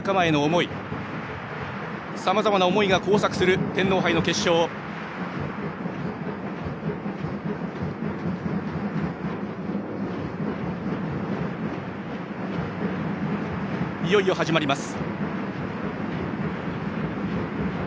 いよいよ始まります。